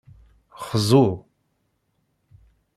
Xzu.